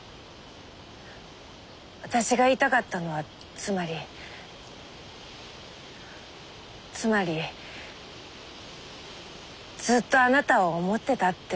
私が言いたかったのはつまりつまりずっとあなたを思ってたってことなの。